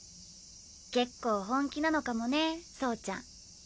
結構本気なのかもね走ちゃん。